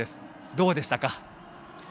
どうでしたか？